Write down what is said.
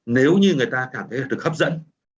nếu như người ta cảm thấy được hấp dẫn